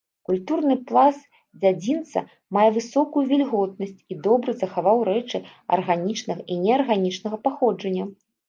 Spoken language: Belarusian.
Культурны пласт дзядзінца мае высокую вільготнасць і добра захаваў рэчы арганічнага і неарганічнага паходжання.